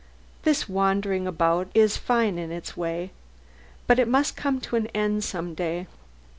This wandering about is fine in its way, but it must come to an end some day.